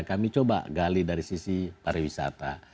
kami coba gali dari sisi pariwisata